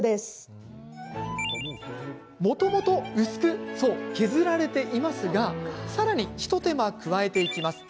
もともと薄く削られていますがさらに一手間、加えていきます。